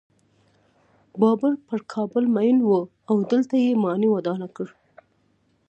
بابر پر کابل مین و او دلته یې ماڼۍ ودانه کړه.